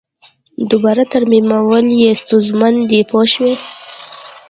دوباره ترمیمول یې ستونزمن دي پوه شوې!.